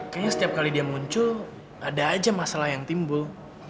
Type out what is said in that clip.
kayaknya setiap kali dia muncul ada aja masalah yang timbul